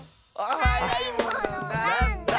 「はやいものなんだ？」